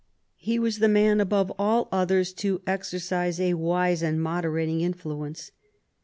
He was the man above all others to exercise a wise and moderating influence.